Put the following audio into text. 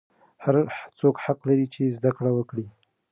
هر څوک حق لري چې زده کړې وکړي.